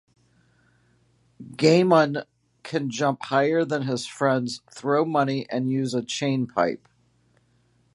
Goemon can jump higher than his friends, throw money, and use a chain pipe.